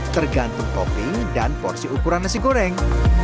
tergantung topping dan porsi ukuran nasi goreng